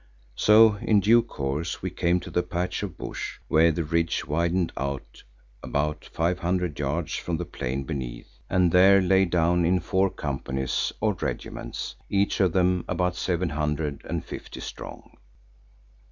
So in due course we came to the patch of bush where the ridge widened out about five hundred yards from the plain beneath, and there lay down in four companies or regiments, each of them about seven hundred and fifty strong.